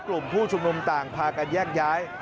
กลุ่มผู้ชุมนุมต่างพากันแยกย้าย